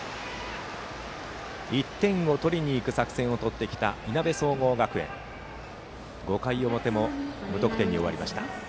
１点を取りにいく作戦をとってきたいなべ総合学園ですが５回表も無得点に終わりました。